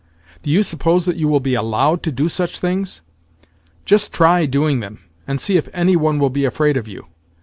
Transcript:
Do you suppose that you will be allowed to do such things? Just try doing them, and see if any one will be afraid of you!